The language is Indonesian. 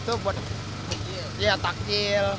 nah udah segini aja tuh